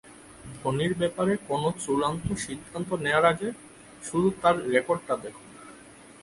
ধোনির ব্যাপারে কোনো চূড়ান্ত সিদ্ধান্ত নেওয়ার আগে শুধু তাঁর রেকর্ডটা দেখুন।